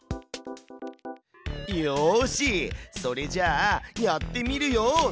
よしそれじゃあやってみるよ。